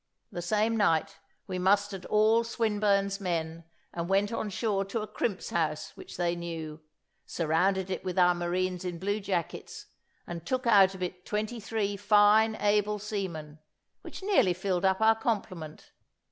The same night, we mustered all Swinburne's men, and went on shore to a crimp's house which they knew, surrounded it with our marines in blue jackets, and took out of it twenty three fine able seamen, which nearly filled up our complement.